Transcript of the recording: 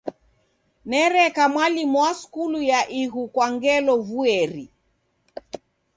Nereka mwalimu wa skulu ya ighu kwa ngelo vueri.